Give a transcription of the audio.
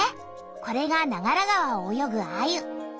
これが長良川をおよぐアユ！